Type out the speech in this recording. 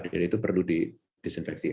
jadi itu perlu didesinfeksi